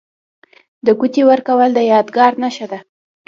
د ګوتې ورکول د یادګار نښه ده.